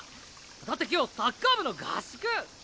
だって今日サッカー部の合宿。